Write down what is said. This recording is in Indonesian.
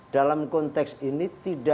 dalam konteks ini